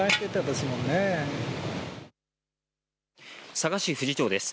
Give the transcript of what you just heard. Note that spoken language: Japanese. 佐賀市富士町です。